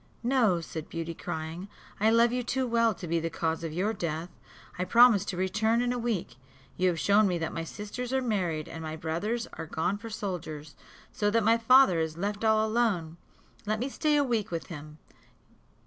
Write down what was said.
"No," said Beauty, crying, "I love you too well to be the cause of your death; I promise to return in a week. You have shown me that my sisters are married, and my brothers are gone for soldiers, so that my father is left all alone. Let me stay a week with him."